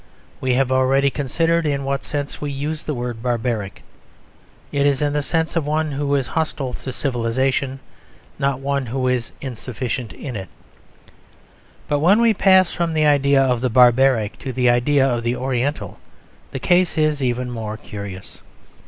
We have already considered in what sense we use the word barbaric: it is in the sense of one who is hostile to civilisation, not one who is insufficient in it. But when we pass from the idea of the barbaric to the idea of the oriental, the case is even more curious.